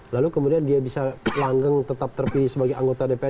lalu kemudian dia bisa langgeng tetap terpilih sebagai anggota dpr